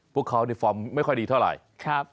พวกเขานี่ฟอร์มไม่ค่อยดีเท่าไหร่